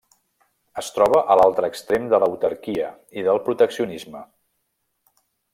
Es troba a l'altre extrem de l'autarquia i del proteccionisme.